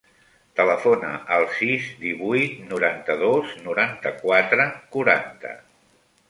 Telefona al sis, divuit, noranta-dos, noranta-quatre, quaranta.